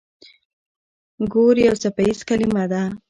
ګور يو څپيز کلمه ده.